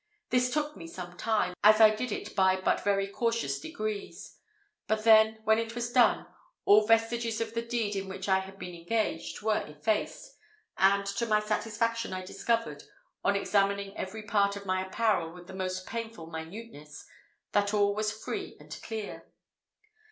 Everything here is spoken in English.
This took me some time, as I did it by but very cautious degrees: but then, when it was done, all vestiges of the deed in which I had been engaged were effaced, and to my satisfaction I discovered, on examining every part of my apparel with the most painful minuteness, that all was free and clear.